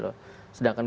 sedangkan gubernur jeneral